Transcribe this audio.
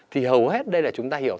thì hầu hết đây là chúng ta hiểu